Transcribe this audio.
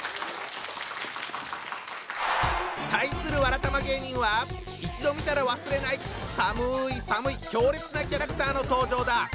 対するわらたま芸人は一度見たら忘れない寒い寒い強烈なキャラクターの登場だ！